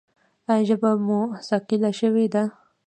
ایا ژبه مو ثقیله شوې ده؟